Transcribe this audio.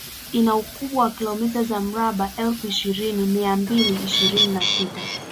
Ina ukubwa wa kilomita za mraba elfu ishirini mia mbili ishirini na sita